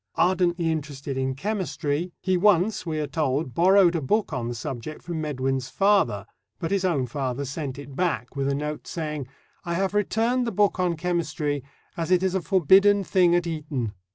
Ardently interested in chemistry, he once, we are told, borrowed a book on the subject from Medwin's father, but his own father sent it back with a note saying: "I have returned the book on chemistry, as it is a forbidden thing at Eton."